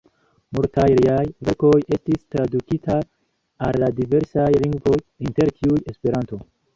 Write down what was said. Multaj liaj verkoj estis tradukitaj al diversaj lingvoj, inter kiuj Esperanto.